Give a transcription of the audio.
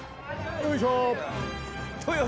よいしょ。